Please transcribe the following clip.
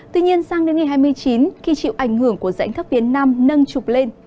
tuy nhiên sang đến ngày hai mươi chín khi chịu ảnh hưởng của dãy khắp biển nam nâng trục lên